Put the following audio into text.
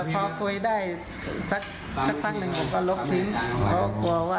พอคุยได้สักพักหนึ่งผมก็ลบทิ้งเขาก็กลัวว่า